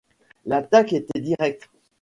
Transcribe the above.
L’attaque était directe.